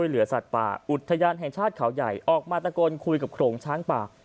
แล้วพูดถึงบ้านเยี่ยมออกมาคุยกับโครงช้างป่า